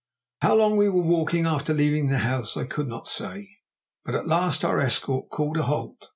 How long we were walking, after leaving the house, I could not say, but at last our escort called a halt.